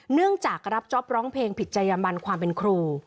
เนื่องจากรับจ๊อปร้องเพลงผิดจัยบันความเป็นครู